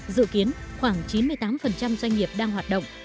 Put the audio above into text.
dự kiến khoảng chín mươi tám doanh nghiệp đang hoạt động